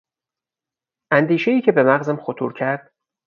اندیشهای که به مغزم خطور کرد...